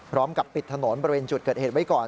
พร้อมกับปิดถนนบริเวณจุดเกิดเหตุไว้ก่อน